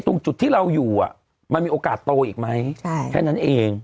ตรงจุดที่เราอยู่มันมีโอกาสโตอีกไหมแค่นั้นเอง